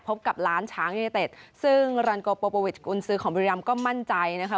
กับล้านช้างยูเนเต็ดซึ่งรันโกโปวิชกุญซื้อของบริรามก็มั่นใจนะคะ